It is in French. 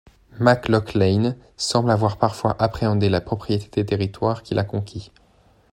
Mac Lochlainn semble avoir parfois appréhendé la propriété des territoires qu'il a conquis.